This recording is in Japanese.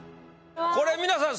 これ皆さん